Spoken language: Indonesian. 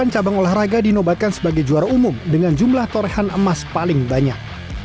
delapan cabang olahraga dinobatkan sebagai juara umum dengan jumlah torehan emas paling banyak